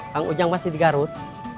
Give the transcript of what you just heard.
kang ujang masih di garut